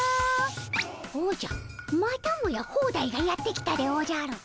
おじゃまたもやホーダイがやって来たでおじゃる。